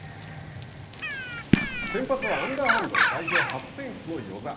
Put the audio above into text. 先発はアンダーハンド代表初選出の與座。